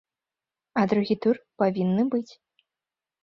А другі тур павінны быць.